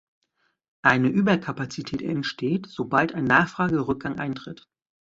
Eine Überkapazität entsteht, sobald ein Nachfragerückgang eintritt.